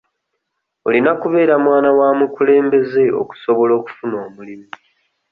Olina kubeera mwana wa mukulembeze okusobola okufuna omulimu.